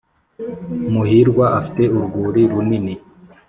muhirwa afite urwuri runini